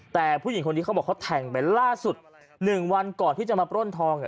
แต่ผู้หญิงคนนี้เขาบอกเขาแทงไปล่าสุด๑วันก่อนที่จะมาปล้นทอง